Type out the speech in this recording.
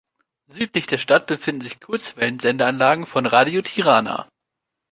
Südlich der Stadt befinden sich Kurzwellen-Sendeanlagen von Radio Tirana.